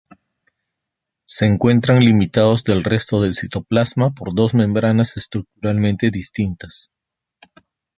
Se encuentran limitados del resto del citoplasma por dos membranas estructuralmente distintas.